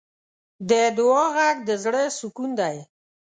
د دعا غږ د زړۀ سکون دی.